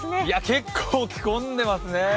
結構着込んでますね。